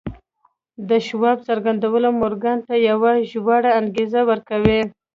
د شواب څرګندونو مورګان ته یوه ژوره انګېزه ورکړه